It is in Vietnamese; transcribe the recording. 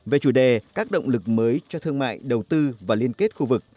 về chủ đề các động lực mới cho thương mại đầu tư và liên kết khu vực